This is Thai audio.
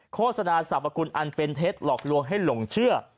โฆษณาสรรพคุณอันเป็นเท็จหลอกลวงให้หลงเชื่อ